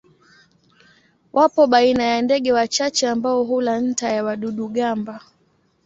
Wapo baina ndege wachache ambao hula nta ya wadudu-gamba.